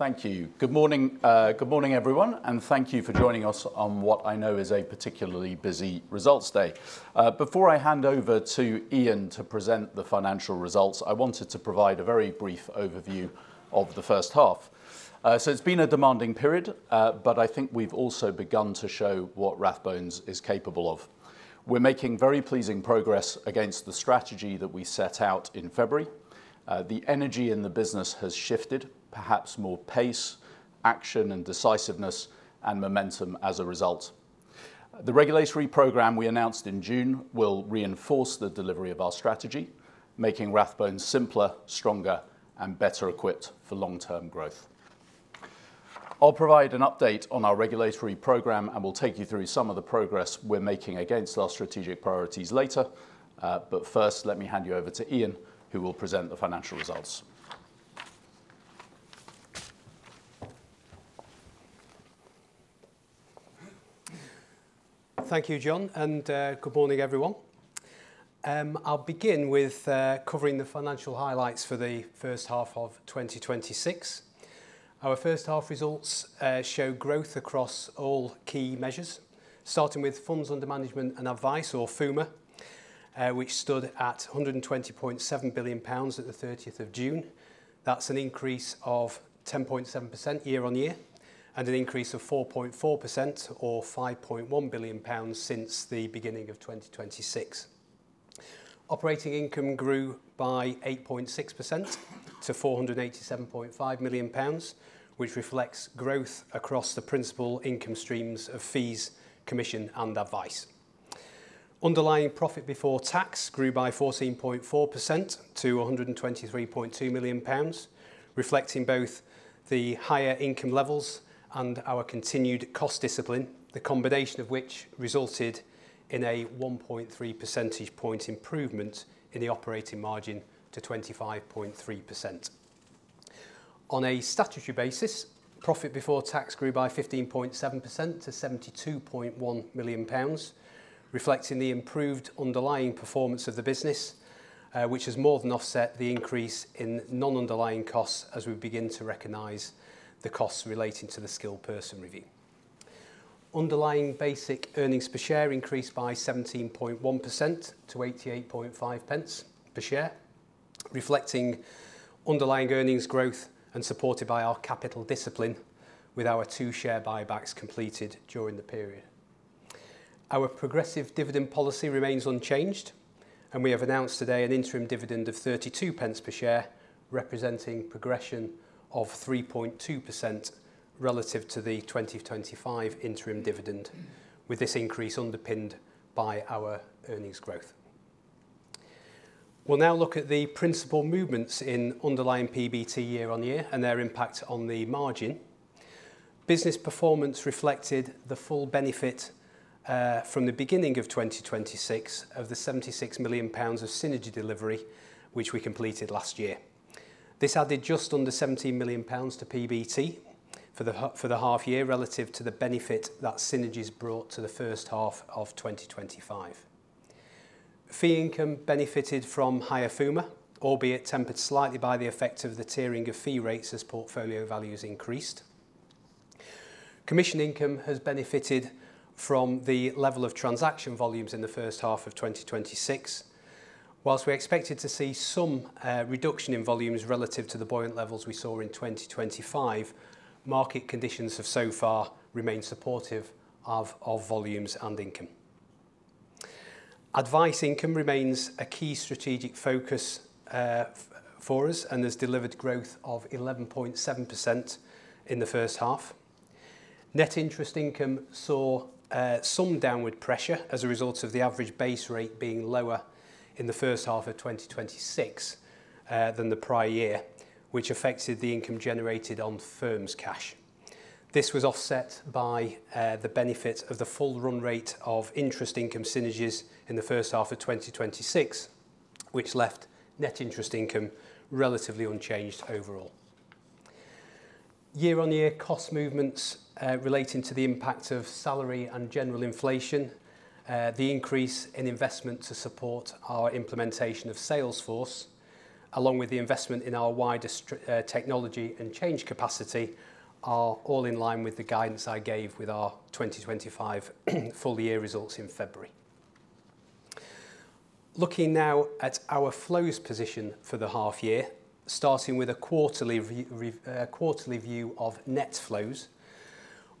Thank you. Good morning, everyone, and thank you for joining us on what I know is a particularly busy results day. Before I hand over to Iain to present the financial results, I wanted to provide a very brief overview of the first half. It's been a demanding period, but I think we've also begun to show what Rathbones is capable of. We're making very pleasing progress against the strategy that we set out in February. The energy in the business has shifted, perhaps more pace, action, and decisiveness, and momentum as a result. The regulatory program we announced in June will reinforce the delivery of our strategy, making Rathbones simpler, stronger, and better equipped for long-term growth. I'll provide an update on our regulatory program, and we'll take you through some of the progress we're making against our strategic priorities later. First, let me hand you over to Iain, who will present the financial results. Thank you, Jon, and good morning, everyone. I'll begin with covering the financial highlights for the first half of 2026. Our first half results show growth across all key measures, starting with funds under management and advice, or FUMA, which stood at 120.7 billion pounds at the 30th of June. That's an increase of 10.7% year-on-year and an increase of 4.4%, or 5.1 billion pounds, since the beginning of 2026. Operating income grew by 8.6% to 487.5 million pounds, which reflects growth across the principal income streams of fees, commission, and advice. Underlying profit before tax grew by 14.4% to 123.2 million pounds, reflecting both the higher income levels and our continued cost discipline, the combination of which resulted in a 1.3 percentage point improvement in the operating margin to 25.3%. On a statutory basis, profit before tax grew by 15.7% to 72.1 million pounds, reflecting the improved underlying performance of the business, which has more than offset the increase in non-underlying costs as we begin to recognize the costs relating to the Skilled Person Review. Underlying basic earnings per share increased by 17.1% to 0.885 per share, reflecting underlying earnings growth and supported by our capital discipline with our two share buybacks completed during the period. Our progressive dividend policy remains unchanged, and we have announced today an interim dividend of 0.32 per share, representing progression of 3.2% relative to the 2025 interim dividend, with this increase underpinned by our earnings growth. We'll now look at the principal movements in underlying PBT year-on-year and their impact on the margin. Business performance reflected the full benefit, from the beginning of 2026, of the 76 million pounds of synergy delivery, which we completed last year. This added just under 17 million pounds to PBT for the half-year relative to the benefit that synergies brought to the first half of 2025. Fee income benefited from higher FUMA, albeit tempered slightly by the effect of the tiering of fee rates as portfolio values increased. Commission income has benefited from the level of transaction volumes in the first half of 2026. Whilst we expected to see some reduction in volumes relative to the buoyant levels we saw in 2025, market conditions have so far remained supportive of volumes and income. Advice income remains a key strategic focus for us and has delivered growth of 11.7% in the first half. Net interest income saw some downward pressure as a result of the average base rate being lower in the first half of 2026 than the prior year, which affected the income generated on the firm's cash. This was offset by the benefit of the full run rate of interest income synergies in the first half of 2026, which left net interest income relatively unchanged overall. Year-over-year cost movements relating to the impact of salary and general inflation, the increase in investment to support our implementation of Salesforce, along with the investment in our wider technology and change capacity, are all in line with the guidance I gave with our 2025 full-year results in February. Looking now at our flows position for the half year, starting with a quarterly view of net flows.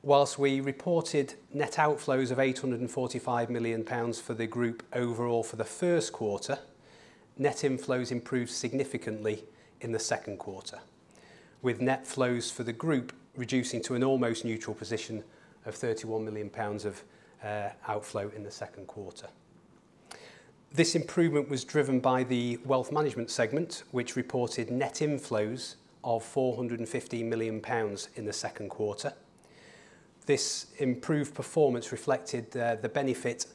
Whilst we reported net outflows of 845 million pounds for the group overall for the first quarter, net inflows improved significantly in the second quarter, with net flows for the group reducing to an almost neutral position of 31 million pounds of outflow in the second quarter. This improvement was driven by the Wealth Management segment, which reported net inflows of 450 million pounds in the second quarter. This improved performance reflected the benefit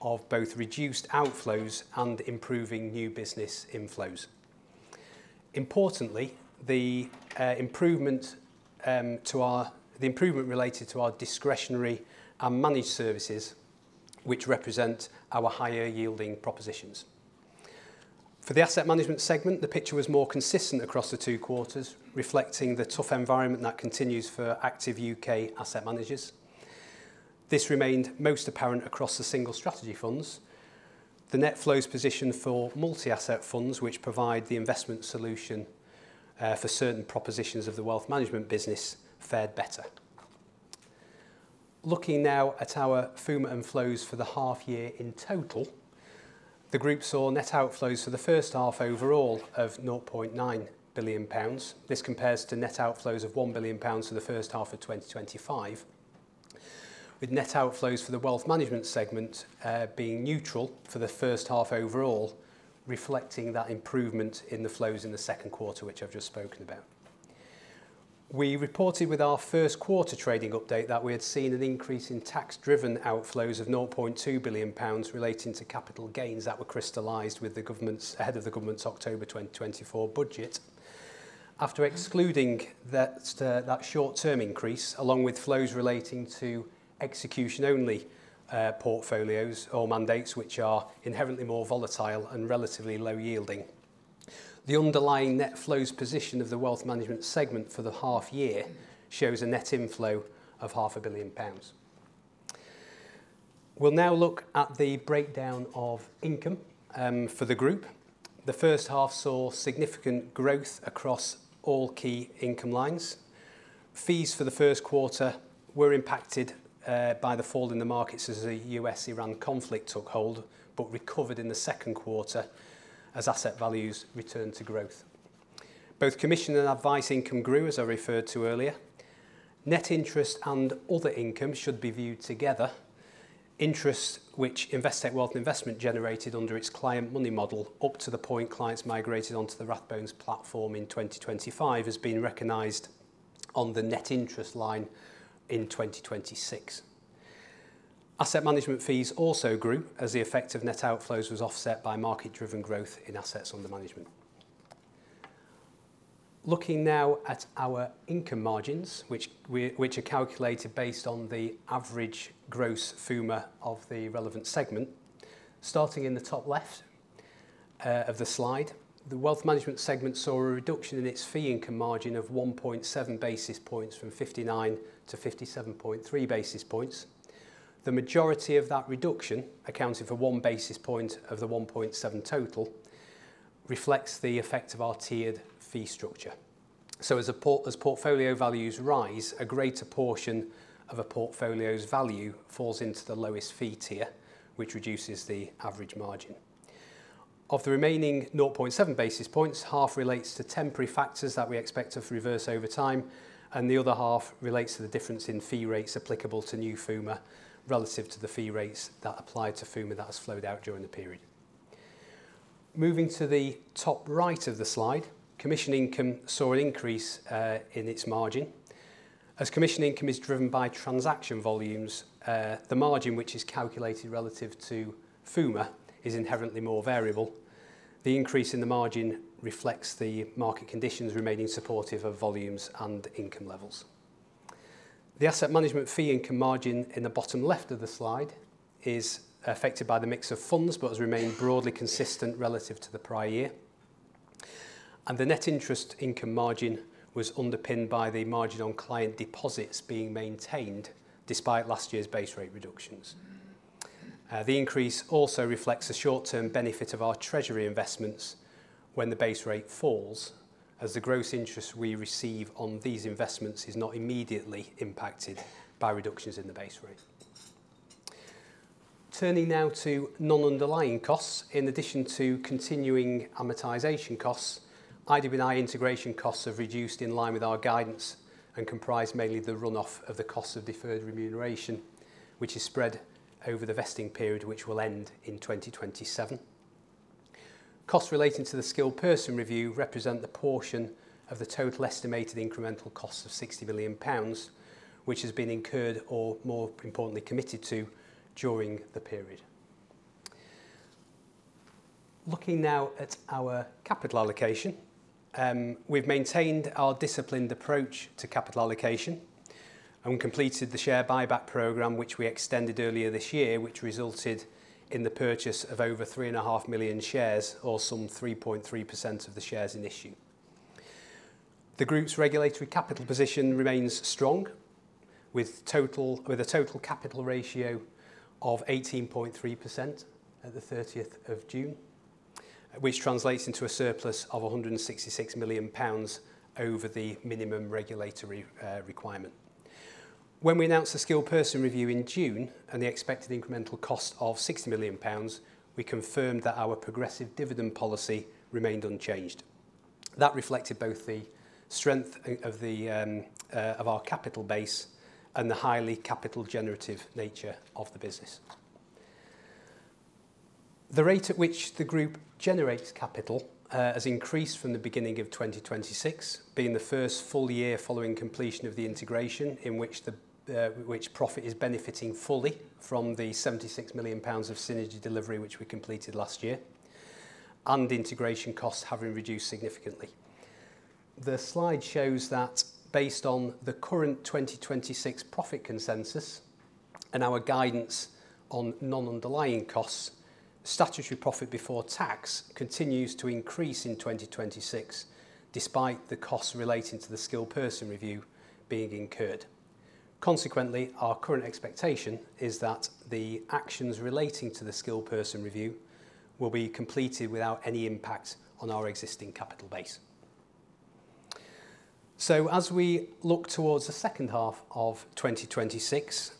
of both reduced outflows and improving new business inflows. Importantly, the improvement related to our discretionary and managed services, which represent our higher-yielding propositions. For the asset management segment, the picture was more consistent across the two quarters, reflecting the tough environment that continues for active U.K. asset managers. This remained most apparent across the single strategy funds. The net flows position for multi-asset funds, which provide the investment solution for certain propositions of the Wealth Management business, fared better. Looking now at our FUMA and flows for the half year in total, the group saw net outflows for the first half overall of 0.9 billion pounds. This compares to net outflows of 1 billion pounds for the first half of 2025. With net outflows for the Wealth Management segment being neutral for the first half overall, reflecting that improvement in the flows in the second quarter, which I've just spoken about. We reported with our first quarter trading update that we had seen an increase in tax-driven outflows of 0.2 billion pounds relating to capital gains that were crystallized ahead of the government's October 2024 budget. After excluding that short-term increase, along with flows relating to execution-only portfolios or mandates, which are inherently more volatile and relatively low yielding. The underlying net flows position of the Wealth Management segment for the half year shows a net inflow of half a billion pounds. We'll now look at the breakdown of income for the group. The first half saw significant growth across all key income lines. Fees for the first quarter were impacted by the fall in the markets as the U.S.-Iran conflict took hold but recovered in the second quarter as asset values returned to growth. Both commission and advice income grew, as I referred to earlier. Net interest and other income should be viewed together. Interest which Investec Wealth & Investment generated under its client money model, up to the point clients migrated onto the Rathbones platform in 2025, has been recognized on the net interest line in 2026. Asset management fees also grew as the effect of net outflows was offset by market-driven growth in assets under management. Looking now at our income margins, which are calculated based on the average gross FUMA of the relevant segment. Starting in the top left of the slide, the Wealth Management segment saw a reduction in its fee income margin of 1.7 basis points from 59 to 57.3 basis points. The majority of that reduction accounted for 1 basis point of the 1.7 total, reflects the effect of our tiered fee structure. As portfolio values rise, a greater portion of a portfolio's value falls into the lowest fee tier, which reduces the average margin. Of the remaining 0.7 basis points, half relates to temporary factors that we expect to reverse over time, and the other half relates to the difference in fee rates applicable to new FUMA relative to the fee rates that apply to FUMA that has flowed out during the period. Moving to the top right of the slide, commission income saw an increase in its margin. As commission income is driven by transaction volumes, the margin, which is calculated relative to FUMA, is inherently more variable. The increase in the margin reflects the market conditions remaining supportive of volumes and income levels. The asset management fee income margin in the bottom left of the slide is affected by the mix of funds but has remained broadly consistent relative to the prior year. The net interest income margin was underpinned by the margin on client deposits being maintained despite last year's base rate reductions. The increase also reflects the short-term benefit of our treasury investments when the base rate falls, as the gross interest we receive on these investments is not immediately impacted by reductions in the base rate. Turning now to non-underlying costs. In addition to continuing amortization costs, IW&I integration costs have reduced in line with our guidance and comprise mainly the runoff of the cost of deferred remuneration, which is spread over the vesting period, which will end in 2027. Costs relating to the Skilled Person Review represent the portion of the total estimated incremental cost of 60 million pounds, which has been incurred or more importantly, committed to during the period. Looking now at our capital allocation. We've maintained our disciplined approach to capital allocation and completed the share buyback program, which we extended earlier this year, which resulted in the purchase of over 3.5 million shares or some 3.3% of the shares in issue. The group's regulatory capital position remains strong with a total capital ratio of 18.3% at the 30th of June, which translates into a surplus of 166 million pounds over the minimum regulatory requirement. When we announced the Skilled Person Review in June and the expected incremental cost of 60 million pounds, we confirmed that our progressive dividend policy remained unchanged. That reflected both the strength of our capital base and the highly capital generative nature of the business. The rate at which the group generates capital has increased from the beginning of 2026, being the first full year following completion of the integration in which profit is benefiting fully from the 76 million pounds of synergy delivery, which we completed last year. Integration costs have been reduced significantly. The slide shows that based on the current 2026 profit consensus and our guidance on non-underlying costs, statutory profit before tax continues to increase in 2026, despite the costs relating to the Skilled Person Review being incurred. Our current expectation is that the actions relating to the Skilled Person Review will be completed without any impact on our existing capital base. As we look towards the second half of 2026,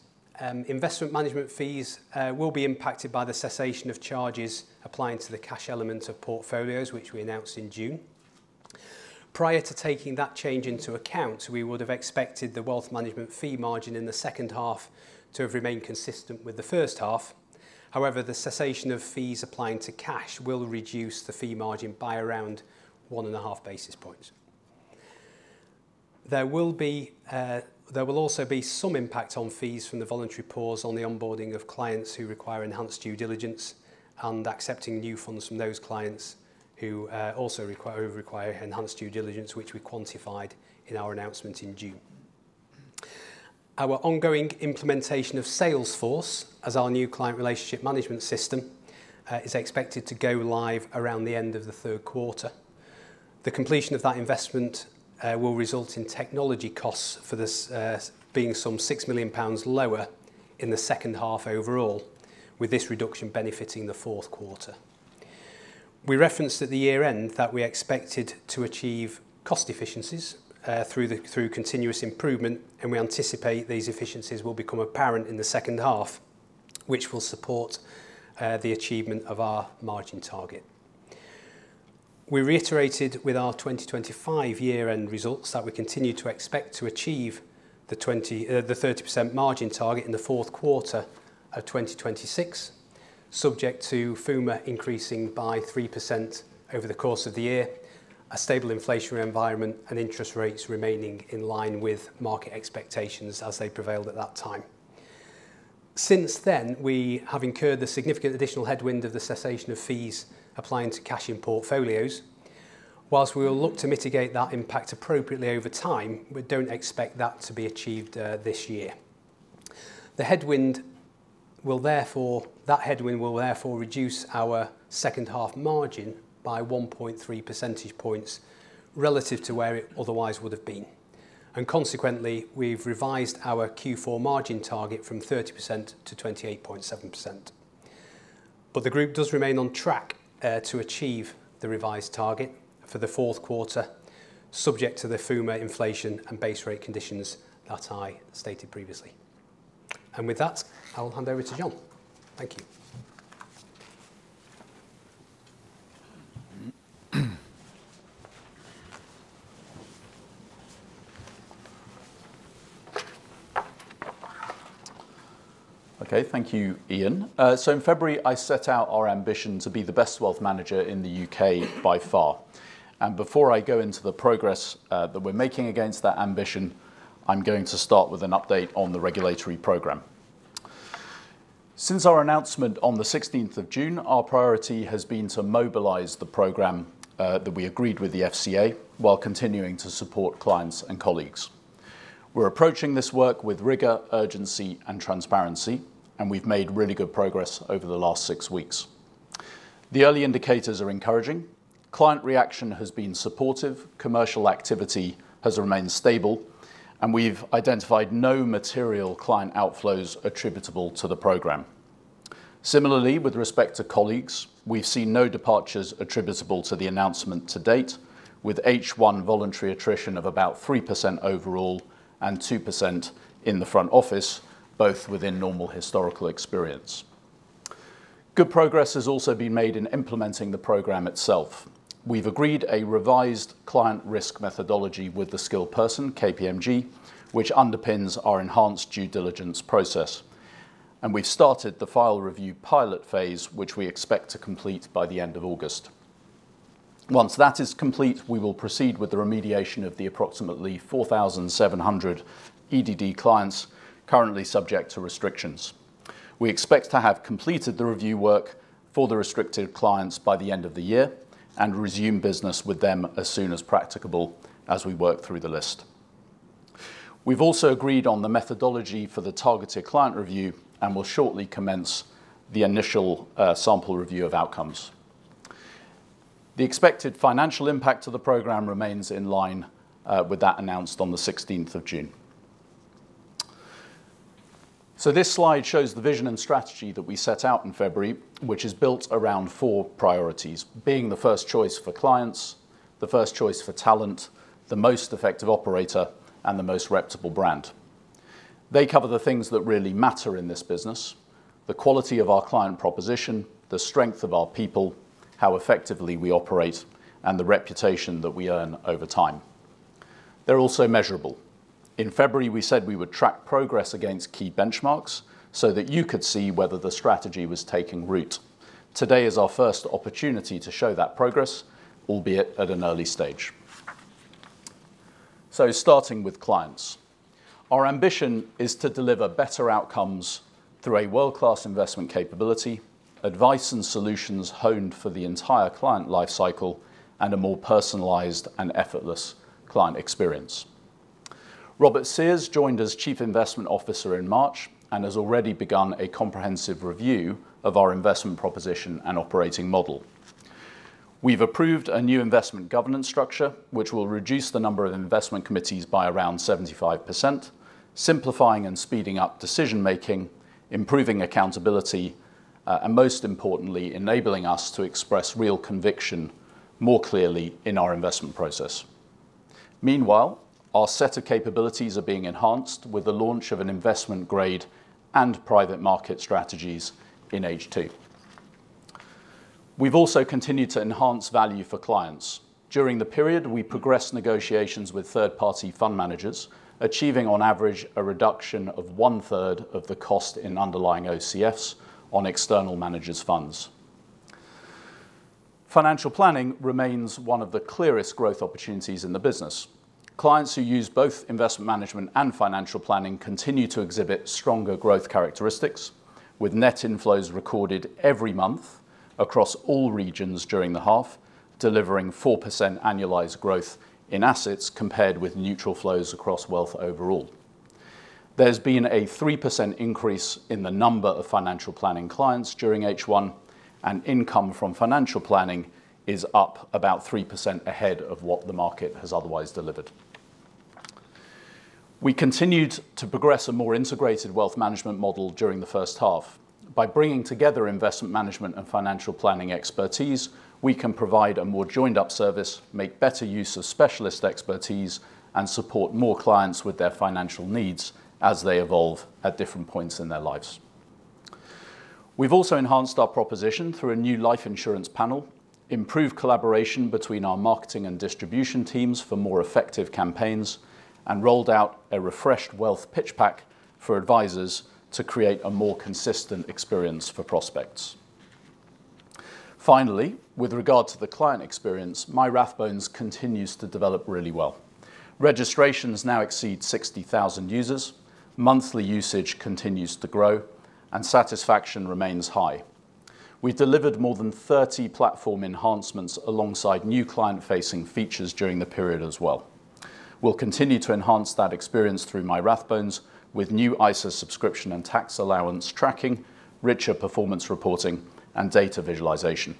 investment management fees will be impacted by the cessation of charges applying to the cash element of portfolios, which we announced in June. Prior to taking that change into account, we would have expected the Wealth Management fee margin in the second half to have remained consistent with the first half. However, the cessation of fees applying to cash will reduce the fee margin by around one and a half basis points. There will also be some impact on fees from the voluntary pause on the onboarding of clients who require enhanced due diligence and accepting new funds from those clients who also require enhanced due diligence, which we quantified in our announcement in June. Our ongoing implementation of Salesforce as our new client relationship management system is expected to go live around the end of the third quarter. The completion of that investment will result in technology costs for this being some 6 million pounds lower in the second half overall, with this reduction benefiting the fourth quarter. We referenced at the year-end that we expected to achieve cost efficiencies through continuous improvement. We anticipate these efficiencies will become apparent in the second half, which will support the achievement of our margin target. We reiterated with our 2025 year-end results that we continue to expect to achieve the 30% margin target in the fourth quarter of 2026, subject to FUMA increasing by 3% over the course of the year, a stable inflationary environment, and interest rates remaining in line with market expectations as they prevailed at that time. Since then, we have incurred the significant additional headwind of the cessation of fees applying to cash in portfolios. Whilst we will look to mitigate that impact appropriately over time, we don't expect that to be achieved this year. That headwind will therefore reduce our second-half margin by 1.3 percentage points relative to where it otherwise would have been. Consequently, we've revised our Q4 margin target from 30% to 28.7%. The group does remain on track to achieve the revised target for the fourth quarter, subject to the FUMA inflation and base rate conditions that I stated previously. With that, I will hand over to Jon. Thank you. Okay. Thank you, Iain. In February, I set out our ambition to be the best wealth manager in the U.K. by far. Before I go into the progress that we're making against that ambition, I'm going to start with an update on the regulatory program. Since our announcement on the 16th of June, our priority has been to mobilize the program that we agreed with the FCA while continuing to support clients and colleagues. We're approaching this work with rigor, urgency, and transparency, and we've made really good progress over the last six weeks. The early indicators are encouraging. Client reaction has been supportive. Commercial activity has remained stable. We've identified no material client outflows attributable to the program. Similarly, with respect to colleagues, we've seen no departures attributable to the announcement to date, with H1 voluntary attrition of about 3% overall and 2% in the front office, both within normal historical experience. Good progress has also been made in implementing the program itself. We've agreed a revised client risk methodology with the Skilled Person, KPMG, which underpins our enhanced due diligence process. We've started the file review pilot phase, which we expect to complete by the end of August. Once that is complete, we will proceed with the remediation of the approximately 4,700 EDD clients currently subject to restrictions. We expect to have completed the review work for the restricted clients by the end of the year and resume business with them as soon as practicable as we work through the list. We've also agreed on the methodology for the targeted client review and will shortly commence the initial sample review of outcomes. The expected financial impact of the program remains in line with that announced on the 16th of June. This slide shows the vision and strategy that we set out in February, which is built around four priorities, being the first choice for clients, the first choice for talent, the most effective operator, and the most reputable brand. They cover the things that really matter in this business, the quality of our client proposition, the strength of our people, how effectively we operate, and the reputation that we earn over time. They're also measurable. In February, we said we would track progress against key benchmarks so that you could see whether the strategy was taking root. Today is our first opportunity to show that progress, albeit at an early stage. Starting with clients. Our ambition is to deliver better outcomes through a world-class investment capability, advice and solutions honed for the entire client life cycle, and a more personalized and effortless client experience. Robert Sears joined as Chief Investment Officer in March and has already begun a comprehensive review of our investment proposition and operating model. We've approved a new investment governance structure, which will reduce the number of investment committees by around 75%, simplifying and speeding up decision-making, improving accountability, and most importantly, enabling us to express real conviction more clearly in our investment process. Meanwhile, our set of capabilities are being enhanced with the launch of an investment grade and private market strategies in H2. We've also continued to enhance value for clients. During the period, we progressed negotiations with third-party fund managers, achieving on average a reduction of one-third of the cost in underlying OCFs on external managers' funds. Financial planning remains one of the clearest growth opportunities in the business. Clients who use both investment management and financial planning continue to exhibit stronger growth characteristics, with net inflows recorded every month across all regions during the half, delivering 4% annualized growth in assets compared with neutral flows across wealth overall. There's been a 3% increase in the number of financial planning clients during H1, and income from financial planning is up about 3% ahead of what the market has otherwise delivered. We continued to progress a more integrated Wealth Management model during the first half. By bringing together investment management and financial planning expertise, we can provide a more joined-up service, make better use of specialist expertise, and support more clients with their financial needs as they evolve at different points in their lives. We've also enhanced our proposition through a new life insurance panel, improved collaboration between our marketing and distribution teams for more effective campaigns, and rolled out a refreshed wealth pitch pack for advisors to create a more consistent experience for prospects. With regard to the client experience, MyRathbones continues to develop really well. Registrations now exceed 60,000 users, monthly usage continues to grow, and satisfaction remains high. We've delivered more than 30 platform enhancements alongside new client-facing features during the period as well. We'll continue to enhance that experience through MyRathbones with new ISA subscription and tax allowance tracking, richer performance reporting, and data visualization.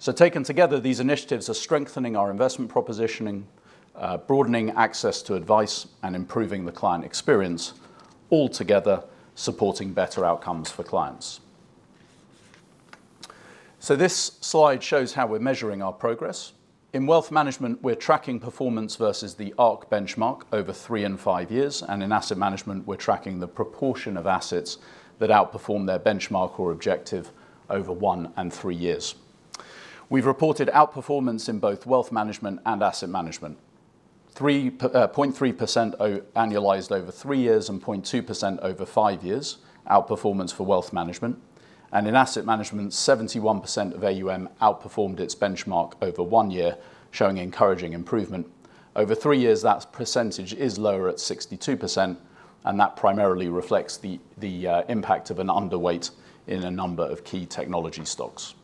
Taken together, these initiatives are strengthening our investment propositioning, broadening access to advice, and improving the client experience, altogether supporting better outcomes for clients. This slide shows how we're measuring our progress. In Wealth Management, we're tracking performance versus the ARC benchmark over three and five years, and in asset management, we're tracking the proportion of assets that outperform their benchmark or objective over one and three years. We've reported outperformance in both Wealth Management and asset management. 0.3% annualized over three years and 0.2% over five years outperformance for Wealth Management. In asset management, 71% of AUM outperformed its benchmark over one year, showing encouraging improvement. Over three years, that percentage is lower at 62%, and that primarily reflects the impact of an underweight in a number of key technology stocks.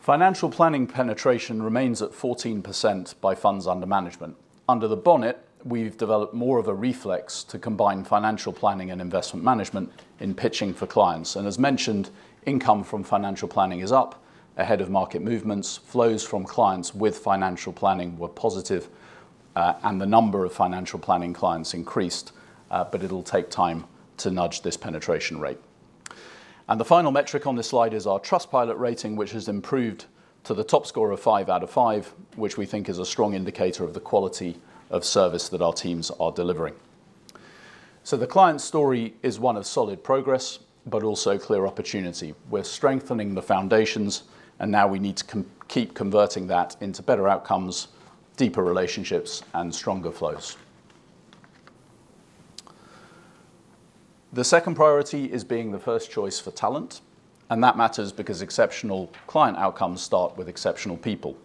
Financial planning penetration remains at 14% by funds under management. Under the bonnet, we've developed more of a reflex to combine financial planning and investment management in pitching for clients. As mentioned, income from financial planning is up ahead of market movements. Flows from clients with financial planning were positive, and the number of financial planning clients increased, but it'll take time to nudge this penetration rate. The final metric on this slide is our Trustpilot rating, which has improved to the top score of five out of five, which we think is a strong indicator of the quality of service that our teams are delivering. The client story is one of solid progress, but also clear opportunity. We're strengthening the foundations, and now we need to keep converting that into better outcomes, deeper relationships, and stronger flows. The second priority is being the first choice for talent. That matters because exceptional client outcomes start with exceptional people.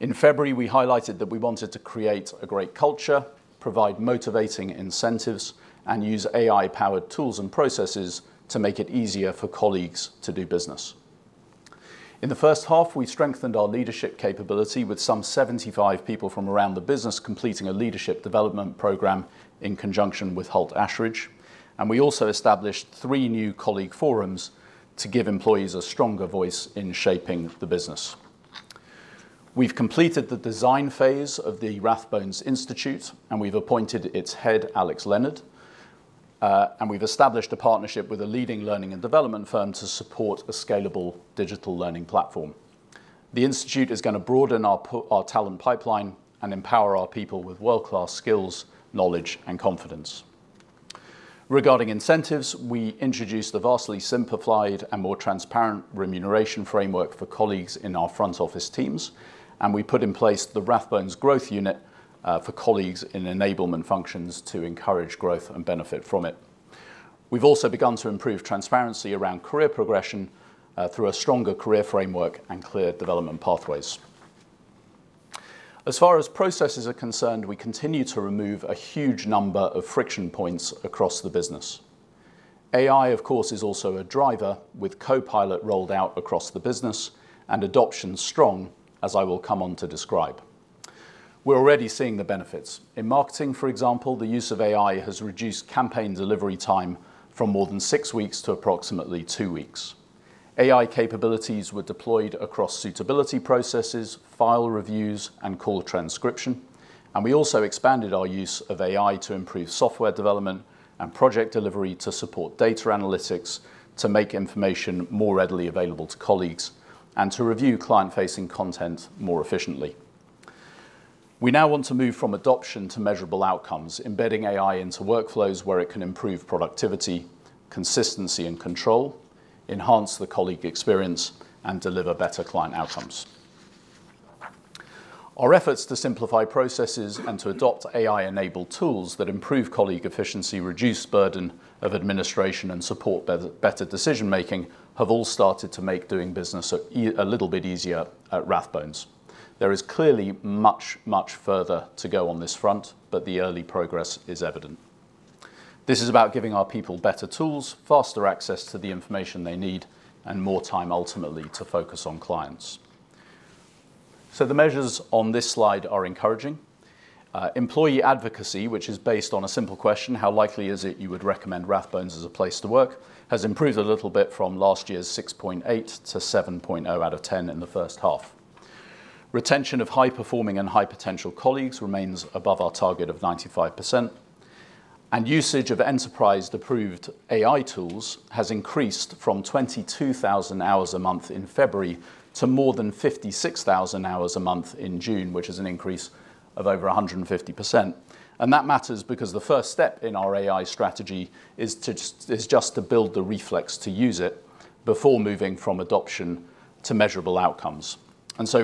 In February, we highlighted that we wanted to create a great culture, provide motivating incentives, and use AI-powered tools and processes to make it easier for colleagues to do business. In the first half, we strengthened our leadership capability with some 75 people from around the business completing a leadership development program in conjunction with Hult Ashridge. We also established three new colleague forums to give employees a stronger voice in shaping the business. We've completed the design phase of the Rathbones Institute. We've appointed its head, Alex Leonard. We've established a partnership with a leading learning and development firm to support a scalable digital learning platform. The Institute is going to broaden our talent pipeline and empower our people with world-class skills, knowledge, and confidence. Regarding incentives, we introduced the vastly simplified and more transparent remuneration framework for colleagues in our front office teams. We put in place the Rathbones Growth Unit for colleagues in enablement functions to encourage growth and benefit from it. We've also begun to improve transparency around career progression through a stronger career framework and clear development pathways. As far as processes are concerned, we continue to remove a huge number of friction points across the business. AI, of course, is also a driver with Copilot rolled out across the business and adoption strong, as I will come on to describe. We're already seeing the benefits. In marketing, for example, the use of AI has reduced campaign delivery time from more than six weeks to approximately two weeks. AI capabilities were deployed across suitability processes, file reviews, and call transcription. We also expanded our use of AI to improve software development and project delivery to support data analytics to make information more readily available to colleagues and to review client-facing content more efficiently. We now want to move from adoption to measurable outcomes, embedding AI into workflows where it can improve productivity, consistency, and control, enhance the colleague experience, and deliver better client outcomes. Our efforts to simplify processes and to adopt AI-enabled tools that improve colleague efficiency, reduce burden of administration, and support better decision-making have all started to make doing business a little bit easier at Rathbones. There is clearly much, much further to go on this front. The early progress is evident. This is about giving our people better tools, faster access to the information they need, and more time ultimately to focus on clients. The measures on this slide are encouraging. Employee advocacy, which is based on a simple question, how likely is it you would recommend Rathbones as a place to work, has improved a little bit from last year's 6.8 to 7.0 out of 10 in the first half. Retention of high-performing and high-potential colleagues remains above our target of 95%. Usage of enterprise-approved AI tools has increased from 22,000 hours a month in February to more than 56,000 hours a month in June, which is an increase of over 150%. That matters because the first step in our AI strategy is just to build the reflex to use it before moving from adoption to measurable outcomes.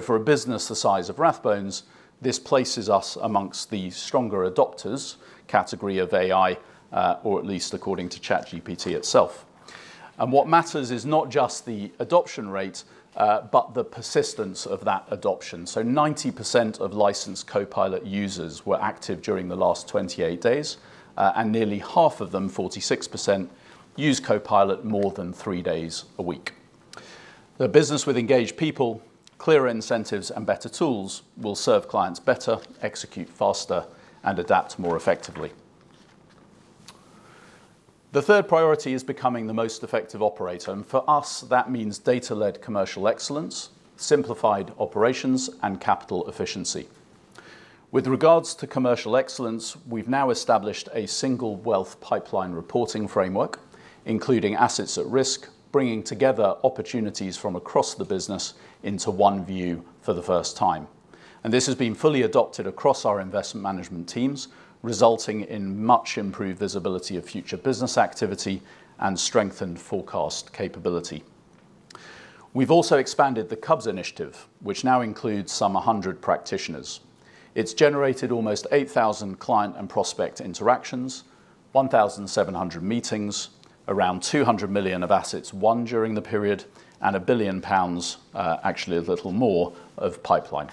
For a business the size of Rathbones, this places us amongst the stronger adopters category of AI, or at least according to ChatGPT itself. What matters is not just the adoption rate, but the persistence of that adoption. 90% of licensed Copilot users were active during the last 28 days, and nearly half of them, 46%, use Copilot more than three days a week. The business with engaged people, clearer incentives, and better tools will serve clients better, execute faster, and adapt more effectively. The third priority is becoming the most effective operator, and for us, that means data-led commercial excellence, simplified operations, and capital efficiency. With regards to commercial excellence, we've now established a single wealth pipeline reporting framework, including assets at risk, bringing together opportunities from across the business into one view for the first time. This has been fully adopted across our investment management teams, resulting in much improved visibility of future business activity and strengthened forecast capability. We've also expanded the CUBS initiative, which now includes some 100 practitioners. It's generated almost 8,000 client and prospect interactions, 1,700 meetings, around 200 million of assets won during the period, and a 1 billion pounds, actually a little more, of pipeline.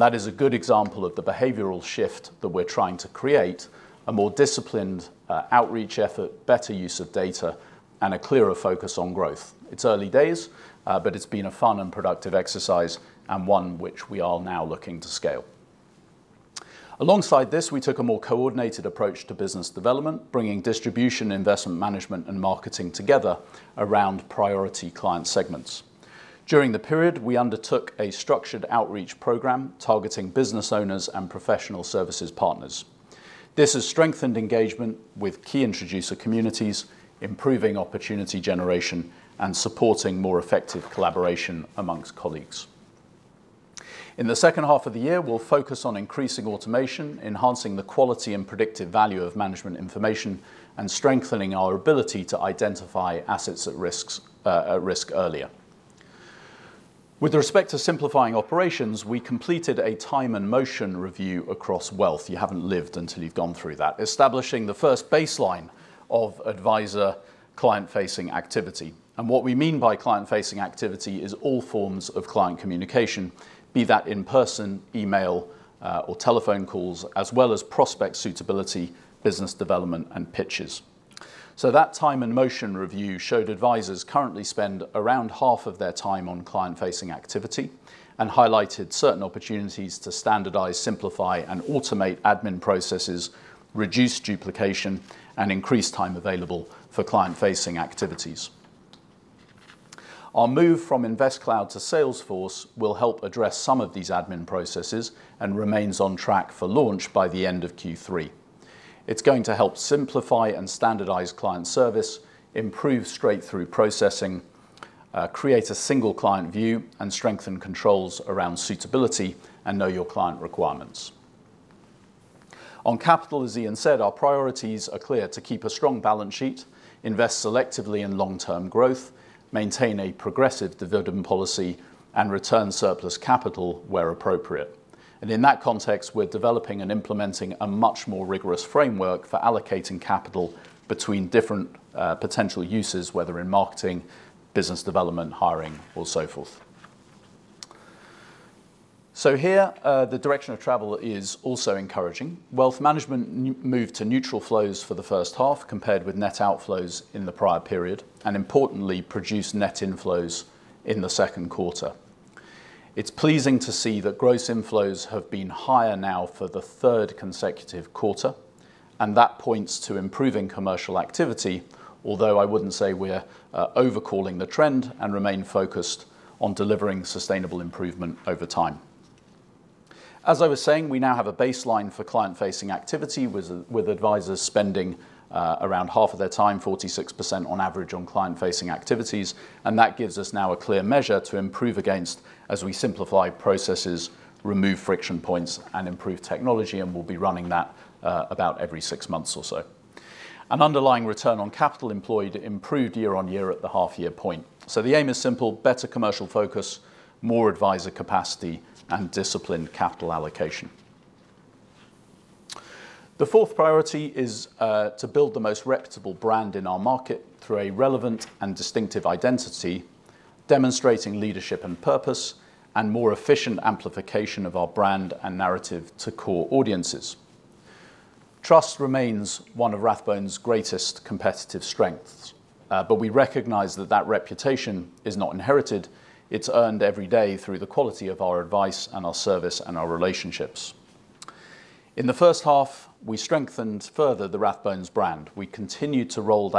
That is a good example of the behavioral shift that we're trying to create, a more disciplined outreach effort, better use of data, and a clearer focus on growth. It's early days, but it's been a fun and productive exercise and one which we are now looking to scale. Alongside this, we took a more coordinated approach to business development, bringing distribution, investment management, and marketing together around priority client segments. During the period, we undertook a structured outreach program targeting business owners and professional services partners. This has strengthened engagement with key introducer communities, improving opportunity generation and supporting more effective collaboration amongst colleagues. In the second half of the year, we'll focus on increasing automation, enhancing the quality and predictive value of management information, and strengthening our ability to identify assets at risk earlier. With respect to simplifying operations, we completed a time and motion review across wealth. You haven't lived until you've gone through that. Establishing the first baseline of advisor client-facing activity. What we mean by client-facing activity is all forms of client communication, be that in person, email, or telephone calls, as well as prospect suitability, business development, and pitches. That time and motion review showed advisors currently spend around half of their time on client-facing activity and highlighted certain opportunities to standardize, simplify, and automate admin processes, reduce duplication, and increase time available for client-facing activities. Our move from InvestCloud to Salesforce will help address some of these admin processes and remains on track for launch by the end of Q3. It's going to help simplify and standardize client service, improve straight-through processing, create a single client view, and strengthen controls around suitability and know your client requirements. On capital, as Iain said, our priorities are clear: to keep a strong balance sheet, invest selectively in long-term growth, maintain a progressive dividend policy, and return surplus capital where appropriate. In that context, we're developing and implementing a much more rigorous framework for allocating capital between different potential uses, whether in marketing, business development, hiring, or so forth. Here, the direction of travel is also encouraging. Wealth Management moved to neutral flows for the first half compared with net outflows in the prior period, importantly, produced net inflows in the second quarter. It's pleasing to see that gross inflows have been higher now for the third consecutive quarter, that points to improving commercial activity, although I wouldn't say we're over-calling the trend and remain focused on delivering sustainable improvement over time. As I was saying, we now have a baseline for client-facing activity, with advisors spending around half of their time, 46% on average, on client-facing activities. That gives us now a clear measure to improve against as we simplify processes, remove friction points, and improve technology, we'll be running that about every six months or so. Underlying return on capital employed improved year-on-year at the half-year point. The aim is simple: better commercial focus, more advisor capacity, and disciplined capital allocation. The fourth priority is to build the most reputable brand in our market through a relevant and distinctive identity, demonstrating leadership and purpose, and more efficient amplification of our brand and narrative to core audiences. Trust remains one of Rathbones' greatest competitive strengths, we recognize that that reputation is not inherited. It's earned every day through the quality of our advice and our service and our relationships. In the first half, we strengthened further the Rathbones brand. We continued to roll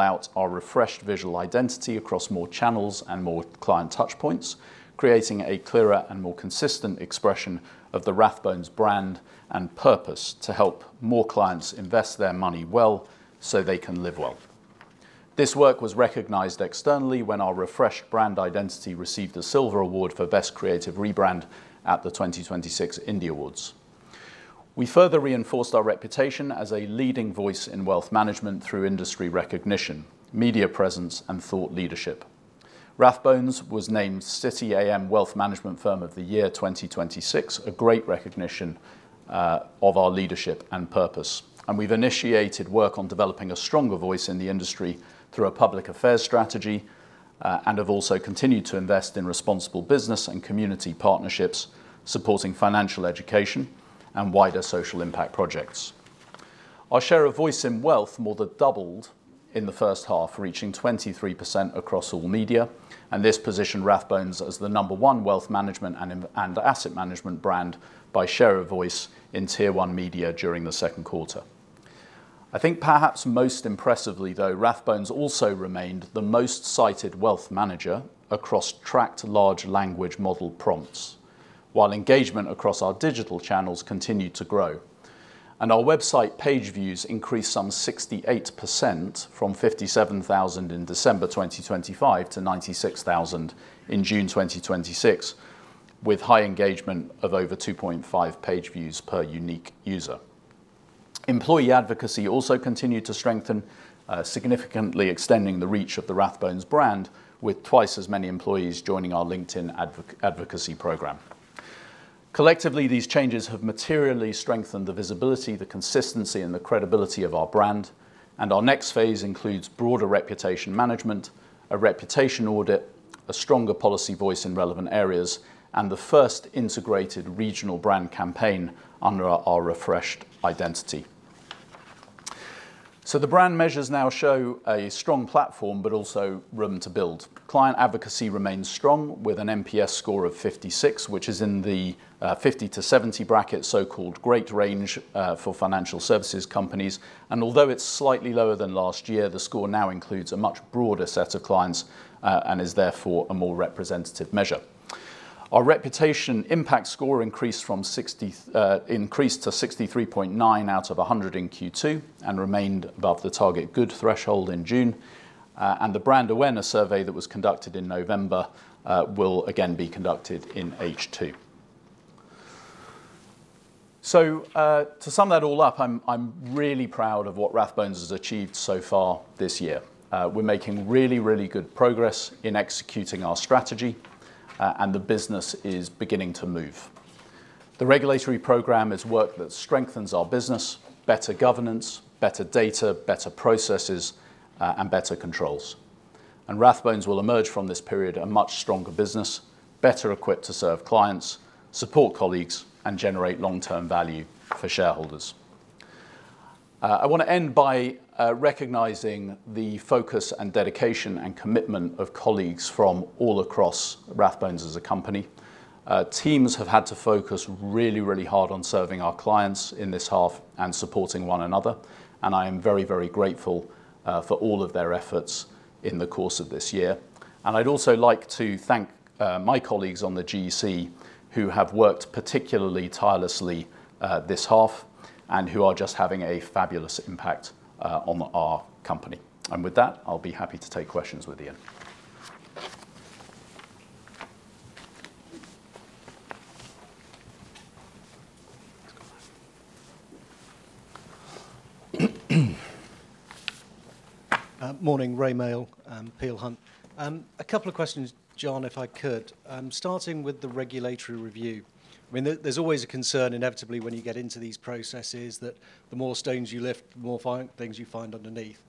out our refreshed visual identity across more channels and more client touchpoints, creating a clearer and more consistent expression of the Rathbones brand and purpose to help more clients invest their money well so they can live well. This work was recognized externally when our refreshed brand identity received a Silver Award for Best Creative Rebrand at the 2026 The Indie Awards. We further reinforced our reputation as a leading voice in Wealth Management through industry recognition, media presence, and thought leadership. Rathbones was named City AM Wealth Management Firm of the Year 2026, a great recognition of our leadership and purpose. We've initiated work on developing a stronger voice in the industry through a public affairs strategy, have also continued to invest in responsible business and community partnerships, supporting financial education and wider social impact projects. Our share of voice in wealth more than doubled in the first half, reaching 23% across all media, this positioned Rathbones as the number one Wealth Management and asset management brand by share of voice in Tier 1 media during the second quarter. I think perhaps most impressively, though, Rathbones also remained the most cited wealth manager across tracked large language model prompts. While engagement across our digital channels continued to grow, our website page views increased some 68% from 57,000 in December 2025 to 96,000 in June 2026, with high engagement of over 2.5 page views per unique user. Employee advocacy also continued to strengthen, significantly extending the reach of the Rathbones brand, with twice as many employees joining our LinkedIn advocacy program. Collectively, these changes have materially strengthened the visibility, the consistency, and the credibility of our brand, our next phase includes broader reputation management, a reputation audit, a stronger policy voice in relevant areas, and the first integrated regional brand campaign under our refreshed identity. The brand measures now show a strong platform, also room to build. Client advocacy remains strong with an NPS score of 56, which is in the 50-70 bracket, so-called great range for financial services companies. Although it's slightly lower than last year, the score now includes a much broader set of clients and is therefore a more representative measure. Our reputation impact score increased to 63.9 out of 100 in Q2 and remained above the target good threshold in June. The brand awareness survey that was conducted in November will again be conducted in H2. To sum that all up, I'm really proud of what Rathbones has achieved so far this year. We're making really, really good progress in executing our strategy, and the business is beginning to move. The regulatory program is work that strengthens our business, better governance, better data, better processes, and better controls. Rathbones will emerge from this period a much stronger business, better equipped to serve clients, support colleagues, and generate long-term value for shareholders. I want to end by recognizing the focus and dedication and commitment of colleagues from all across Rathbones as a company. Teams have had to focus really, really hard on serving our clients in this half and supporting one another, and I am very, very grateful for all of their efforts in the course of this year. I'd also like to thank my colleagues on the GEC who have worked particularly tirelessly this half and who are just having a fabulous impact on our company. With that, I'll be happy to take questions with Iain. Morning. Rae Maile, Peel Hunt. A couple of questions, Jon, if I could. Starting with the regulatory review. There's always a concern inevitably when you get into these processes that the more stones you lift, the more things you find underneath.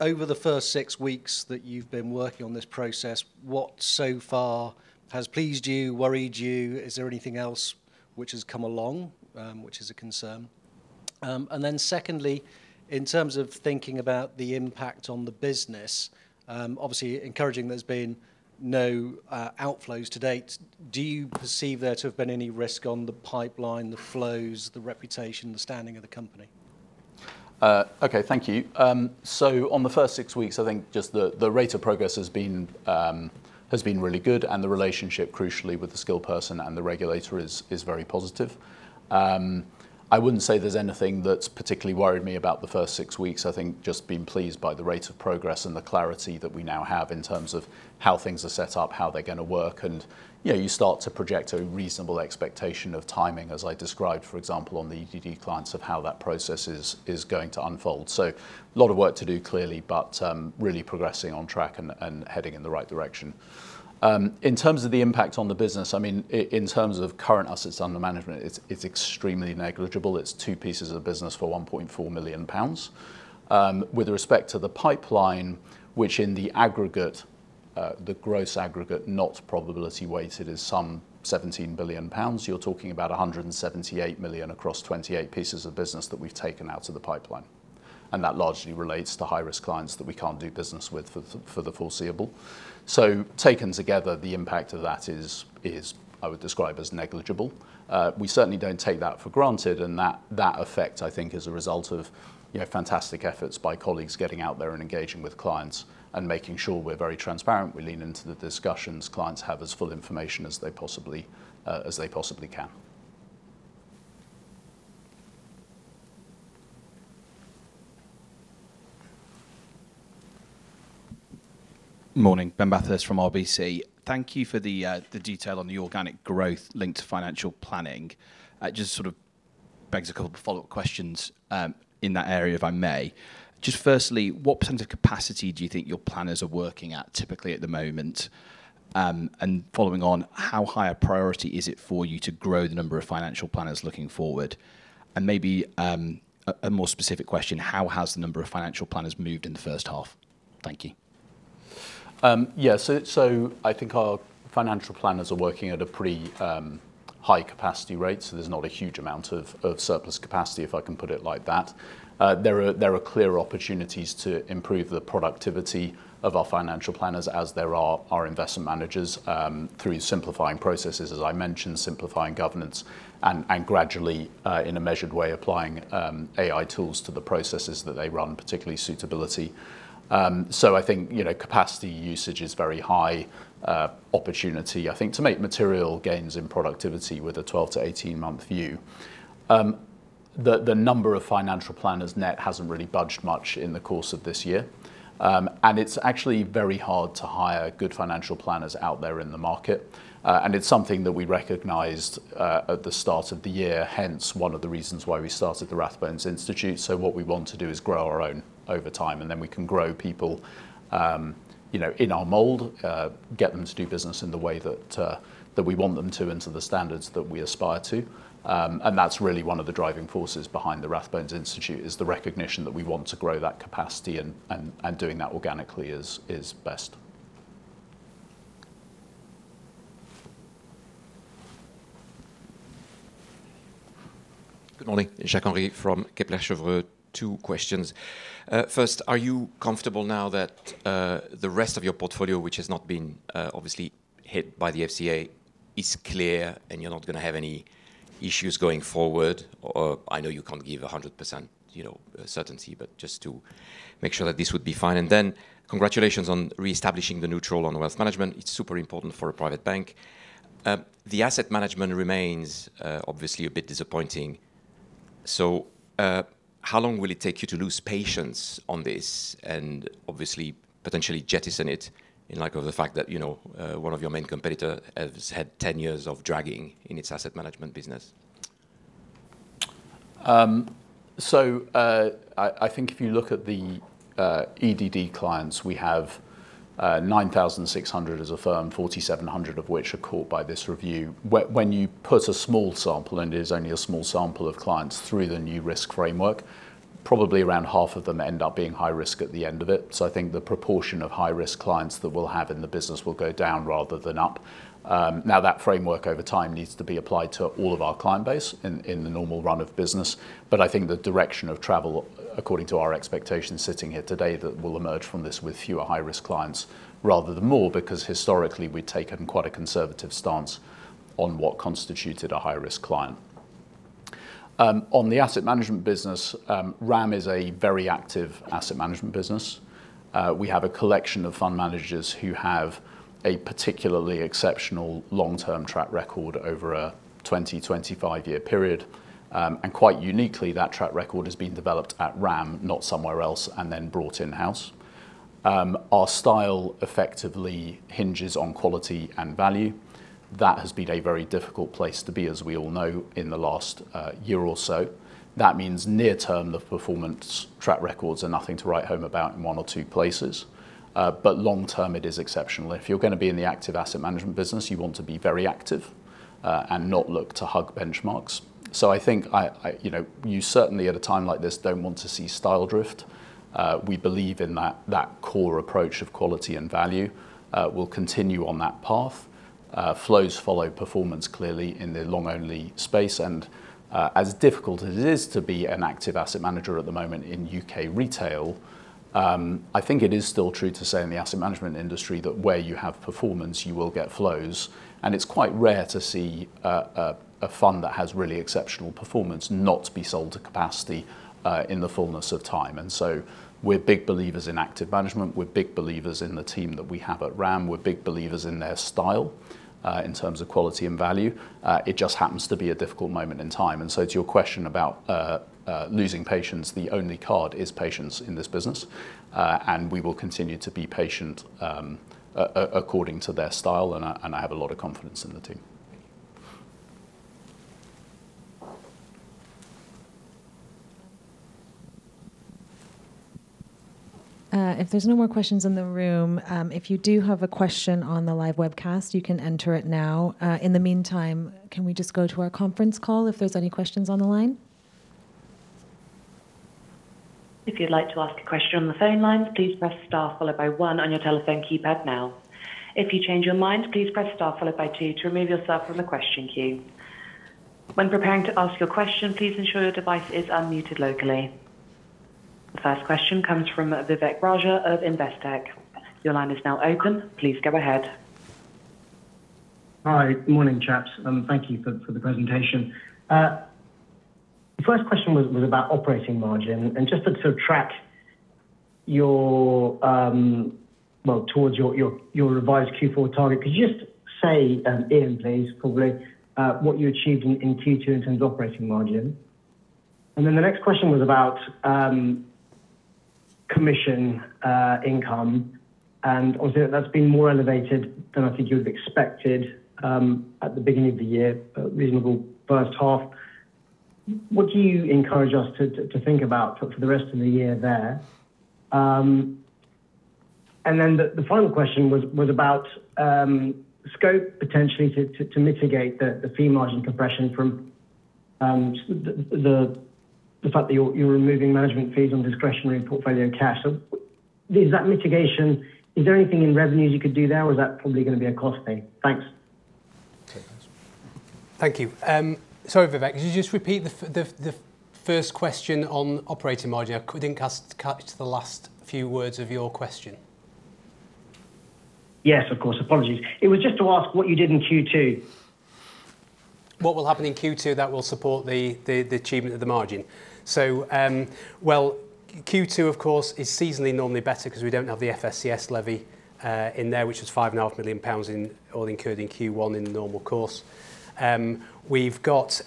Over the first six weeks that you've been working on this process, what so far has pleased you, worried you? Is there anything else which has come along, which is a concern? Secondly, in terms of thinking about the impact on the business, obviously encouraging there's been no outflows to date. Do you perceive there to have been any risk on the pipeline, the flows, the reputation, the standing of the company? Okay. Thank you. On the first six weeks, I think just the rate of progress has been really good, and the relationship crucially with the Skilled Person and the Regulator is very positive. I wouldn't say there's anything that's particularly worried me about the first six weeks. I think just been pleased by the rate of progress and the clarity that we now have in terms of how things are set up, how they're going to work, and you start to project a reasonable expectation of timing, as I described, for example, on the EDD clients, of how that process is going to unfold. A lot of work to do, clearly, but really progressing on track and heading in the right direction. In terms of the impact on the business, in terms of current assets under management, it's extremely negligible. It's two pieces of the business for 1.4 million pounds. With respect to the pipeline, which in the aggregate, the gross aggregate, not probability weighted, is some 17 billion pounds. You're talking about 178 million across 28 pieces of business that we've taken out of the pipeline. That largely relates to high-risk clients that we can't do business with for the foreseeable. Taken together, the impact of that is, I would describe as negligible. We certainly don't take that for granted, and that effect, I think, is a result of fantastic efforts by colleagues getting out there and engaging with clients and making sure we're very transparent. We lean into the discussions. Clients have as full information as they possibly can. Morning. Ben Bathurst from RBC. Thank you for the detail on the organic growth linked to financial planning. Sort of begs a couple of follow-up questions in that area, if I may. Firstly, what percent of capacity do you think your planners are working at typically at the moment? Following on, how high a priority is it for you to grow the number of financial planners looking forward? Maybe a more specific question, how has the number of financial planners moved in the first half? Thank you. I think our financial planners are working at a pretty high capacity rate, so there's not a huge amount of surplus capacity, if I can put it like that. There are clear opportunities to improve the productivity of our financial planners as there are our investment managers, through simplifying processes, as I mentioned, simplifying governance, and gradually, in a measured way, applying AI tools to the processes that they run, particularly suitability. I think capacity usage is very high opportunity, I think to make material gains in productivity with a 12 to 18-month view. The number of financial planners net hasn't really budged much in the course of this year. It's actually very hard to hire good financial planners out there in the market. It's something that we recognized at the start of the year, hence one of the reasons why we started the Rathbones Institute. What we want to do is grow our own over time, and then we can grow people in our mold, get them to do business in the way that we want them to and to the standards that we aspire to. That's really one of the driving forces behind the Rathbones Institute is the recognition that we want to grow that capacity and doing that organically is best. Good morning. Jacques Gaulard from Kepler Cheuvreux. Two questions. First, are you comfortable now that the rest of your portfolio, which has not been obviously hit by the FCA, is clear and you're not going to have any issues going forward? Or I know you can't give 100% certainty, but just to make sure that this would be fine. Congratulations on reestablishing the neutral on the Wealth Management. It's super important for a private bank. The asset management remains, obviously a bit disappointing. How long will it take you to lose patience on this and obviously potentially jettison it in light of the fact that one of your main competitor has had 10 years of dragging in its asset management business? I think if you look at the EDD clients, we have 9,600 as a firm, 4,700 of which are caught by this review. When you put a small sample, and it is only a small sample of clients through the new risk framework, probably around half of them end up being high risk at the end of it. I think the proportion of high-risk clients that we'll have in the business will go down rather than up. That framework over time needs to be applied to all of our client base in the normal run of business. I think the direction of travel, according to our expectations sitting here today, that will emerge from this with fewer high-risk clients rather than more, because historically, we've taken quite a conservative stance on what constituted a high-risk client. On the asset management business, RAM is a very active asset management business. We have a collection of fund managers who have a particularly exceptional long-term track record over a 20, 25-year period. Quite uniquely, that track record has been developed at RAM, not somewhere else, and then brought in-house. Our style effectively hinges on quality and value. That has been a very difficult place to be, as we all know, in the last year or so. That means near term, the performance track records are nothing to write home about in one or two places. Long term, it is exceptional. If you're going to be in the active asset management business, you want to be very active and not look to hug benchmarks. I think, you certainly at a time like this, don't want to see style drift. We believe in that core approach of quality and value. We'll continue on that path. Flows follow performance clearly in the long-only space, as difficult as it is to be an active asset manager at the moment in U.K. retail, I think it is still true to say in the asset management industry that where you have performance, you will get flows. It's quite rare to see a fund that has really exceptional performance not be sold to capacity in the fullness of time. We're big believers in active management. We're big believers in the team that we have at RAM. We're big believers in their style, in terms of quality and value. It just happens to be a difficult moment in time. To your question about losing patience, the only card is patience in this business. We will continue to be patient according to their style, and I have a lot of confidence in the team. Thank you. If there's no more questions in the room, if you do have a question on the live webcast, you can enter it now. In the meantime, can we just go to our conference call if there's any questions on the line? If you'd like to ask a question on the phone lines, please press star followed by one on your telephone keypad now. If you change your mind, please press star followed by two to remove yourself from the question queue. When preparing to ask your question, please ensure your device is unmuted locally. The first question comes from Vivek Raja of Investec. Your line is now open. Please go ahead. Hi. Good morning, chaps. Thank you for the presentation. The first question was about operating margin. Just to track towards your revised Q4 target, could you just say, Iain, please, probably, what you achieved in Q2 in terms of operating margin? The next question was about commission income, obviously that's been more elevated than I think you've expected at the beginning of the year, reasonable first half. What do you encourage us to think about for the rest of the year there? The final question was about scope potentially to mitigate the fee margin compression from the fact that you're removing management fees on discretionary portfolio cash. Is that mitigation, is there anything in revenues you could do there, or is that probably going to be a cost thing? Thanks. Okay, thanks. Thank you. Sorry, Vivek, could you just repeat the first question on operating margin? I couldn't catch the last few words of your question. Yes, of course. Apologies. It was just to ask what you did in Q2. What will happen in Q2 that will support the achievement of the margin? Well, Q2, of course, is seasonally normally better because we don't have the FSCS levy in there, which is 5.5 million pounds all incurred in Q1 in the normal course. We've got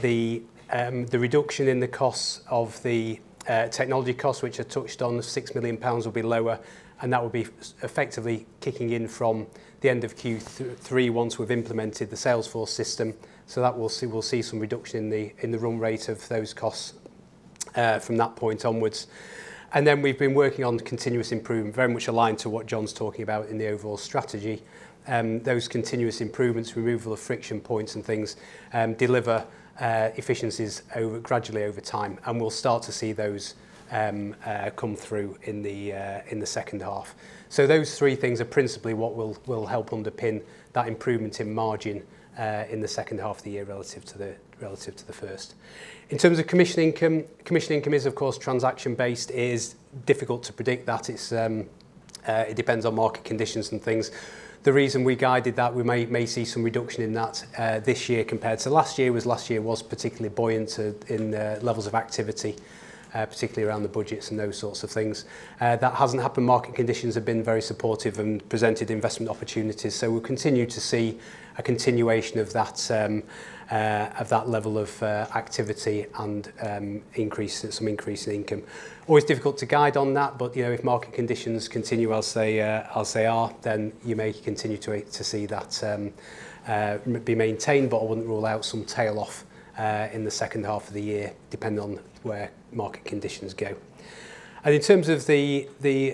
the reduction in the costs of the technology costs, which I touched on, 6 million pounds will be lower, and that will be effectively kicking in from the end of Q3 once we've implemented the Salesforce system. That we'll see some reduction in the run rate of those costs from that point onwards. Then we've been working on continuous improvement, very much aligned to what Jon's talking about in the overall strategy. Those continuous improvements, removal of friction points and things, deliver efficiencies gradually over time. We'll start to see those come through in the second half. Those three things are principally what will help underpin that improvement in margin, in the second half of the year relative to the first. In terms of commission income, commission income is of course, transaction-based, is difficult to predict that. It depends on market conditions and things. The reason we guided that we may see some reduction in that this year compared to last year, was last year was particularly buoyant in the levels of activity, particularly around the budgets and those sorts of things. That hasn't happened. Market conditions have been very supportive and presented investment opportunities. We'll continue to see a continuation of that level of activity and some increase in income. Always difficult to guide on that, if market conditions continue as they are, you may continue to see that be maintained, I wouldn't rule out some tail off in the second half of the year, depending on where market conditions go. In terms of the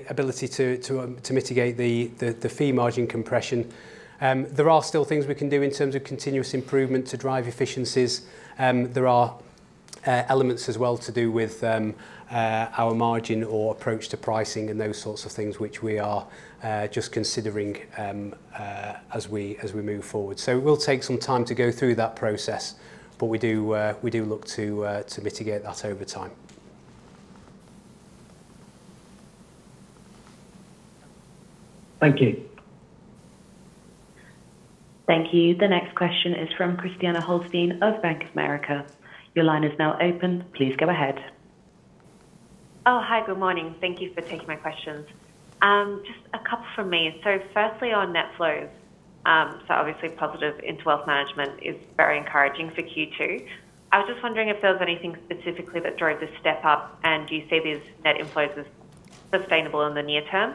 ability to mitigate the fee margin compression, there are still things we can do in terms of continuous improvement to drive efficiencies. There are elements as well to do with our margin or approach to pricing and those sorts of things, which we are just considering as we move forward. It will take some time to go through that process, but we do look to mitigate that over time. Thank you. Thank you. The next question is from Christiane Holstein of Bank of America. Your line is now open. Please go ahead. Oh, hi. Good morning. Thank you for taking my questions. Just a couple from me. Firstly, on net flows, obviously positive into Wealth Management is very encouraging for Q2. I was just wondering if there was anything specifically that drove this step up, do you see these net inflows as sustainable in the near term?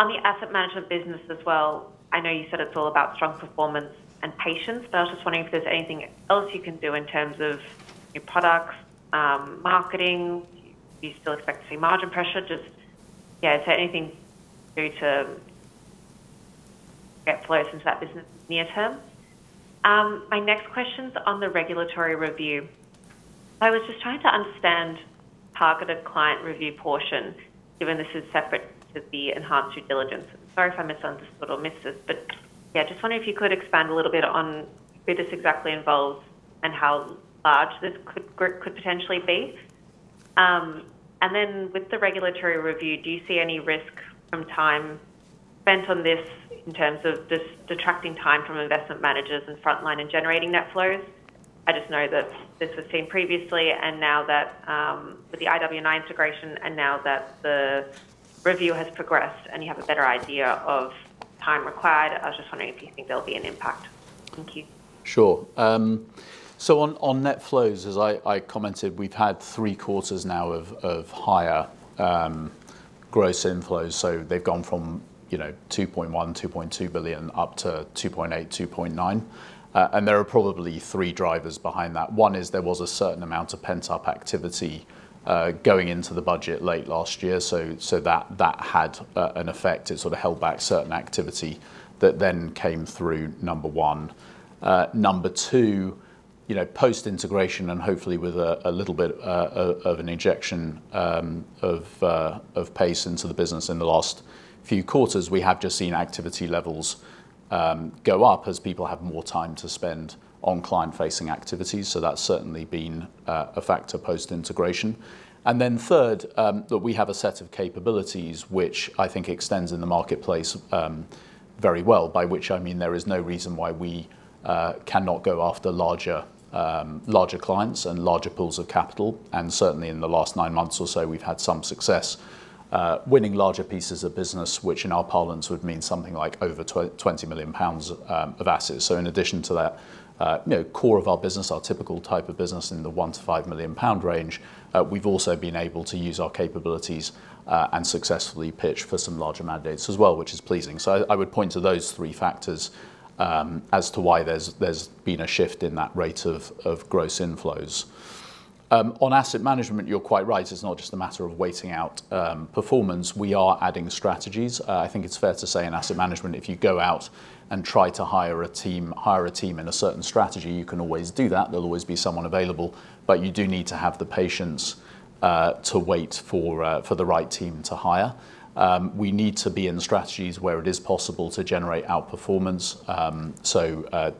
On the asset management business as well, I know you said it's all about strong performance and patience, I was just wondering if there's anything else you can do in terms of new products, marketing. Do you still expect to see margin pressure? Just, is there anything to get flows into that business near term? My next question's on the regulatory review. I was just trying to understand targeted client review portion, given this is separate to the enhanced due diligence. Sorry if I missed this, just wondering if you could expand a little bit on who this exactly involves and how large this group could potentially be. With the regulatory review, do you see any risk from time spent on this in terms of this detracting time from investment managers and frontline in generating net flows? I just know that this was seen previously and now that with the IW&I integration and now that the review has progressed and you have a better idea of time required, I was just wondering if you think there'll be an impact. Thank you. Sure. On net flows, as I commented, we've had three quarters now of higher gross inflows. They've gone from 2.1 billion, 2.2 billion up to 2.8 billion, 2.9 billion. There are probably three drivers behind that. One is there was a certain amount of pent-up activity going into the budget late last year. That had an effect. It sort of held back certain activity that then came through, number one. Number two, post-integration and hopefully with a little bit of an injection of pace into the business in the last few quarters, we have just seen activity levels go up as people have more time to spend on client-facing activities. That's certainly been a factor post-integration. Third, that we have a set of capabilities which I think extends in the marketplace very well, by which I mean there is no reason why we cannot go after larger clients and larger pools of capital. Certainly in the last nine months or so, we've had some success winning larger pieces of business, which in our parlance would mean something like over 20 million pounds of assets. In addition to that core of our business, our typical type of business in the 1 million-5 million pound range, we've also been able to use our capabilities and successfully pitch for some larger mandates as well, which is pleasing. I would point to those three factors as to why there's been a shift in that rate of gross inflows. On Asset Management, you're quite right. It's not just a matter of waiting out performance. We are adding strategies. I think it's fair to say in Asset Management, if you go out and try to hire a team in a certain strategy, you can always do that. There'll always be someone available, but you do need to have the patience to wait for the right team to hire. We need to be in strategies where it is possible to generate outperformance.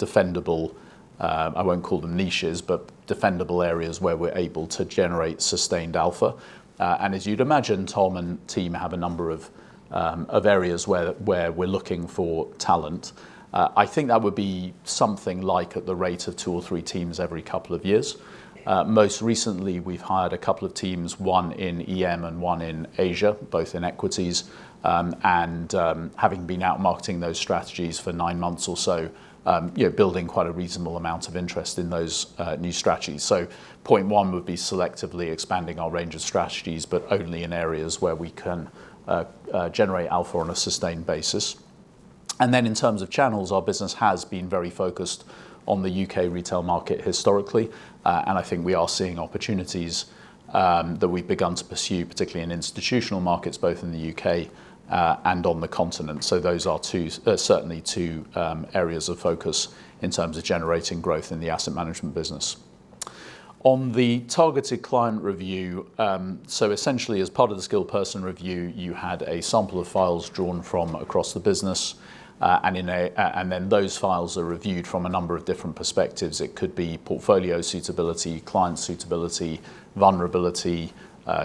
Defendable, I won't call them niches, but defendable areas where we're able to generate sustained alpha. As you'd imagine, Tom and team have a number of areas where we're looking for talent. I think that would be something like at the rate of two or three teams every couple of years. Most recently, we've hired a couple of teams, one in EM and one in Asia, both in equities. Having been out marketing those strategies for nine months or so, building quite a reasonable amount of interest in those new strategies. Point one would be selectively expanding our range of strategies, but only in areas where we can generate alpha on a sustained basis. In terms of channels, our business has been very focused on the U.K. retail market historically. I think we are seeing opportunities that we've begun to pursue, particularly in institutional markets, both in the U.K. and on the continent. Those are certainly two areas of focus in terms of generating growth in the Asset Management business. On the targeted client review, essentially as part of the Skilled Person Review, you had a sample of files drawn from across the business, and then those files are reviewed from a number of different perspectives. It could be portfolio suitability, client suitability, vulnerability,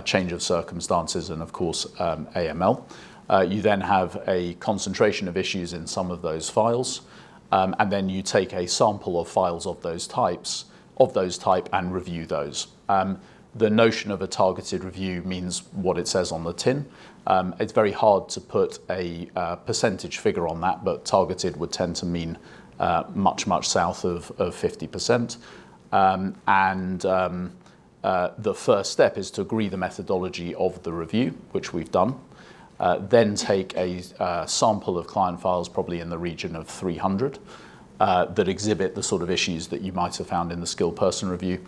change of circumstances, and of course, AML. You have a concentration of issues in some of those files, you take a sample of files of those type and review those. The notion of a targeted review means what it says on the tin. It's very hard to put a percentage figure on that, but targeted would tend to mean much, much south of 50%. The first step is to agree the methodology of the review, which we've done. Take a sample of client files, probably in the region of 300, that exhibit the sort of issues that you might have found in the Skilled Person Review.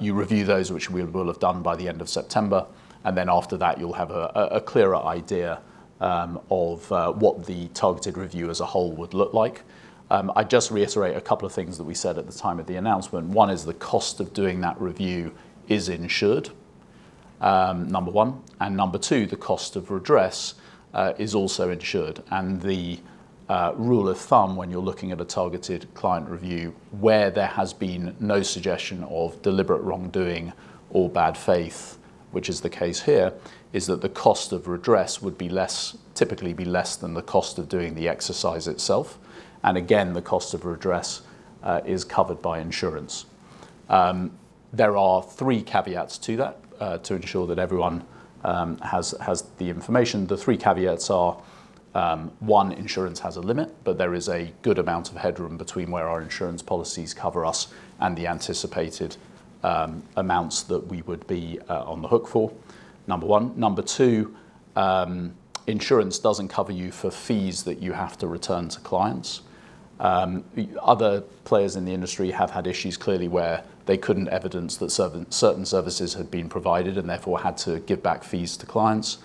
You review those, which we will have done by the end of September, after that, you'll have a clearer idea of what the targeted review as a whole would look like. I'd just reiterate a couple of things that we said at the time of the announcement. One is the cost of doing that review is insured, number one. Number two, the cost of redress is also insured. The rule of thumb when you're looking at a targeted client review where there has been no suggestion of deliberate wrongdoing or bad faith, which is the case here, is that the cost of redress would typically be less than the cost of doing the exercise itself. Again, the cost of redress is covered by insurance. There are three caveats to that to ensure that everyone has the information. The three caveats are, one, insurance has a limit, but there is a good amount of headroom between where our insurance policies cover us and the anticipated amounts that we would be on the hook for, number one. Number two, insurance doesn't cover you for fees that you have to return to clients. Other players in the industry have had issues clearly where they couldn't evidence that certain services had been provided and therefore had to give back fees to clients.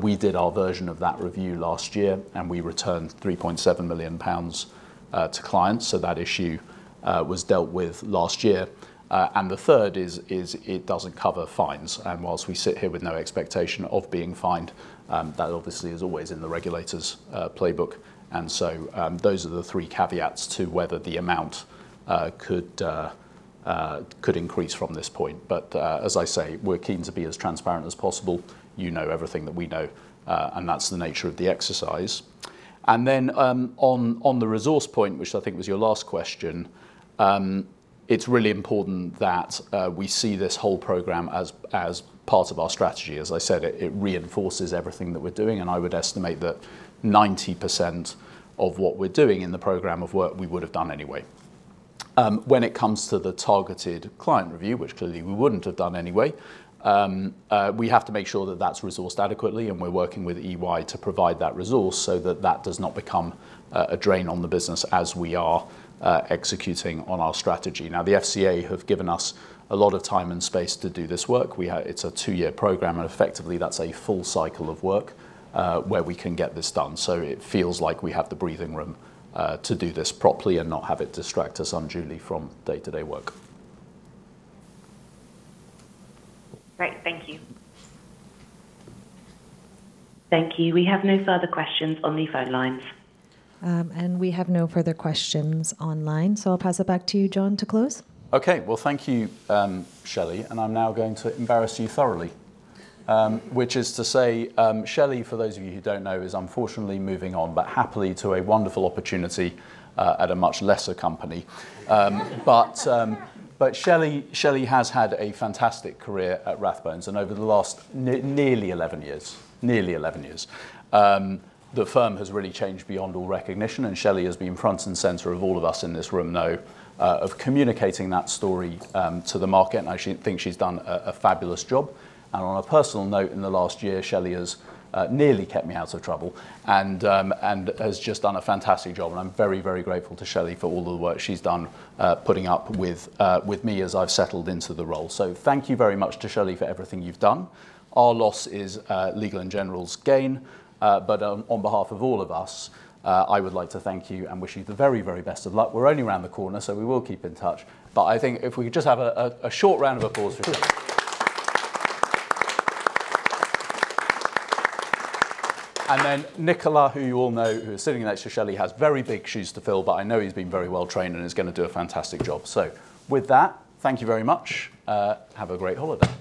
We did our version of that review last year, we returned 3.7 million pounds to clients. That issue was dealt with last year. The third is it doesn't cover fines. Whilst we sit here with no expectation of being fined, that obviously is always in the regulator's playbook. Those are the three caveats to whether the amount could increase from this point. As I say, we're keen to be as transparent as possible. You know everything that we know, That's the nature of the exercise. On the resource point, which I think was your last question, it's really important that we see this whole program as part of our strategy. As I said, it reinforces everything that we're doing, I would estimate that 90% of what we're doing in the program of work we would have done anyway. When it comes to the targeted client review, which clearly we wouldn't have done anyway, we have to make sure that that's resourced adequately, We're working with EY to provide that resource so that that does not become a drain on the business as we are executing on our strategy. The FCA have given us a lot of time and space to do this work. It's a two-year program, Effectively that's a full cycle of work where we can get this done. It feels like we have the breathing room to do this properly and not have it distract us unduly from day-to-day work. Great. Thank you. Thank you. We have no further questions on the phone lines. We have no further questions online. I'll pass it back to you, Jon, to close. Okay. Well, thank you, Shelly, and I'm now going to embarrass you thoroughly. Which is to say, Shelly, for those of you who don't know, is unfortunately moving on, but happily to a wonderful opportunity at a much lesser company. Shelly has had a fantastic career at Rathbones, and over the last nearly 11 years, the firm has really changed beyond all recognition, and Shelly has been front and center of all of us in this room, though, of communicating that story to the market, and I think she's done a fabulous job. On a personal note, in the last year, Shelly has nearly kept me out of trouble and has just done a fantastic job, and I'm very grateful to Shelly for all the work she's done putting up with me as I've settled into the role. Thank you very much to Shelly for everything you've done. Our loss is Legal & General's gain. On behalf of all of us, I would like to thank you and wish you the very best of luck. We're only around the corner, we will keep in touch. I think if we could just have a short round of applause for Shelly. Nicola, who you all know, who is sitting next to Shelly, has very big shoes to fill, but I know he's been very well trained and is going to do a fantastic job. With that, thank you very much. Have a great holiday.